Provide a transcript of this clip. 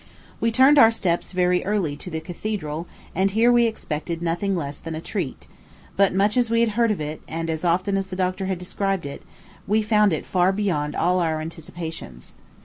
We turned our steps very early to the Cathedral, and here we expected nothing less than a treat; but much as we had heard of it, and often as the doctor had described it, we found it far beyond all our anticipations.